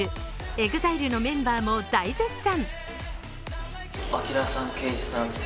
ＥＸＩＬＥのメンバーも大絶賛。